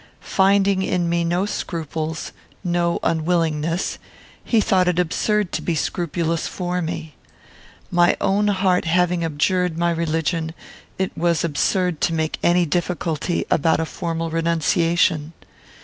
Finding in me no scruples, no unwillingness, he thought it absurd to be scrupulous for me. My own heart having abjured my religion, it was absurd to make any difficulty about a formal renunciation.